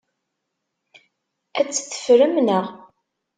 Ad tt-teffrem, naɣ?